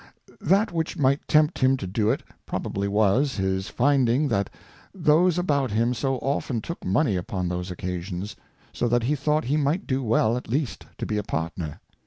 That which might tempt him to it probably was, his finding that those about him so often took Money upon those Occasions ; so that he thought he might do well at least to be a Partner.